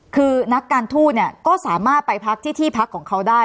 คือนักการทูตก็สามารถไปพักที่ที่พักของเขาได้